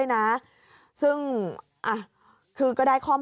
มึงก